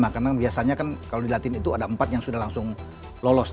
karena biasanya kan kalau di latin itu ada empat yang sudah langsung lolos